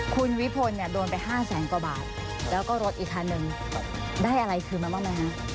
คุณวิภลโดนไป๕แสนกว่าบาทแล้วก็รถอีกครั้งหนึ่งได้อะไรคืนมาบ้างมั้ยครับ